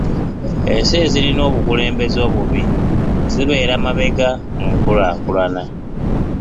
Ensi ezirina obukulembeze obubi zibeera mabega mu nkulaakulana.